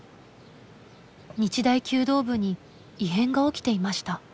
日大弓道部に異変が起きていました。